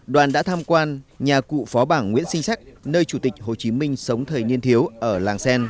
đoàn đã tham quan nhà cụ phó bảng nguyễn sinh sắc nơi chủ tịch hồ chí minh sống thời niên thiếu ở làng sen